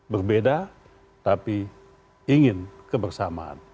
berbeda tapi ingin kebersamaan